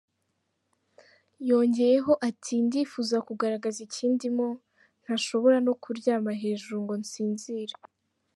Yongeyeho ati "Ndifuza kugaragaza ikindimo ntashobora no kuryama hejuru ngo nsinzire.